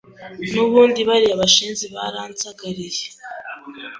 n'ubundi bariya bashenzi baransagariye